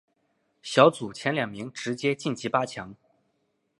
小组前两名直接晋级八强。